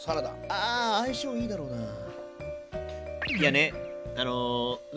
ああ相性いいだろうなあ。